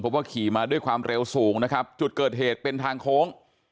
ว่าขี่มาด้วยความเร็วสูงนะครับจุดเกิดเหตุเป็นทางโค้ง